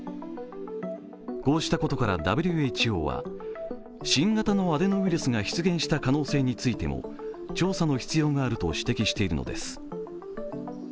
こうしたことから、ＷＨＯは新型のアデノウイルスが出現した可能性についても調査の必要があると指摘しているのです。